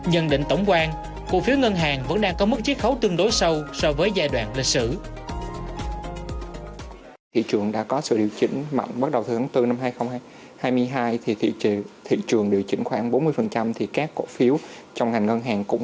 nhân định tổng quan cổ phiếu ngân hàng vẫn đang có mức chiếc khấu tương đối sâu so với giai đoạn lịch sử